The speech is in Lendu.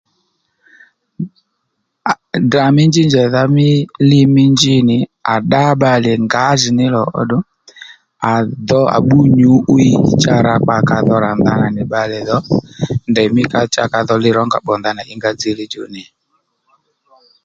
Ddrà mí njí njèydha mí li mí njí nì à ddá bbalè ngǎjìní lò óddù à dow à bbú nyǔ'wiy cha rakpǎ ka dho ra ndanà nì bbalè dho ndèymí ka cha ka dho ndanà li rónga bbò ndanà ǐngá dziylíy djú nì